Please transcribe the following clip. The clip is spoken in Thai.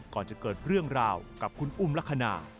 ก่อนจะเกิดเรื่องราวกับคุณอุ้มลักษณะ